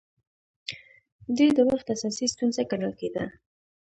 دې د وخت اساسي ستونزه ګڼل کېده